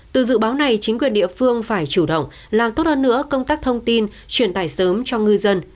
từ dự báo này chính quyền địa phương phải chủ động làm tốt hơn nữa công tác thông tin truyền tải sớm cho ngư dân